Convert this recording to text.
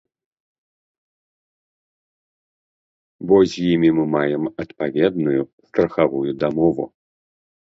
Бо з імі мы маем адпаведную страхавую дамову.